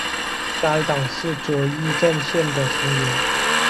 该党是左翼阵线的成员。